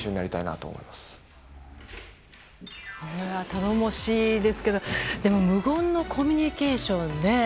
頼もしいですけどでも無言のコミュニケーションね。